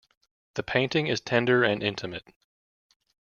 The painting is tender and intimate.